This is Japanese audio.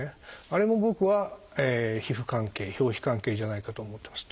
あれも僕は皮膚関係表皮関係じゃないかと思ってます。